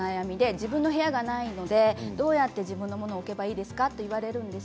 自分の部屋がないのでどうやって自分の物を置けばいいですかと言われます。